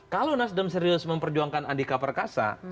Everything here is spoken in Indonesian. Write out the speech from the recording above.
kalau nasdem serius memperjuangkan andika perkasa